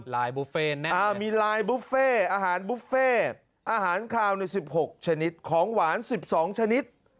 ลายบุฟเฟ่แน่มีลายบุฟเฟ่อาหารบุฟเฟ่อาหารคาวใน๑๖ชนิดของหวาน๑๒ชนิด